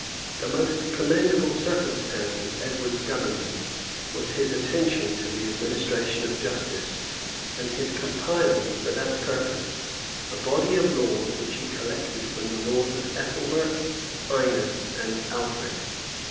The most commendable circumstance of Edward's government was his attention to the administration of justice, and his compiling, for that purpose, a body of laws which he collected from the laws of Ethelbert, Ina, and Alfred.